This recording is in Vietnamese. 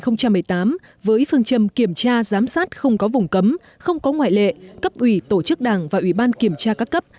năm hai nghìn một mươi tám với phương châm kiểm tra giám sát không có vùng cấm không có ngoại lệ cấp ủy tổ chức đảng và ủy ban kiểm tra các cấp